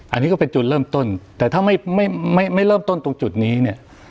อันนี้ก็เป็นจุดเริ่มต้นแต่ถ้าไม่ไม่เริ่มต้นตรงจุดนี้เนี่ย